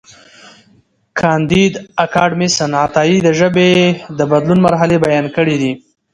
کانديد اکاډميسن عطايي د ژبې د بدلون مرحلې بیان کړې دي.